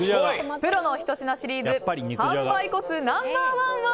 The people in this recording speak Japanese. プロのひと品シリーズ販売個数ナンバー１は。